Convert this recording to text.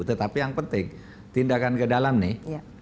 tetapi yang penting tindakan ke dalam nih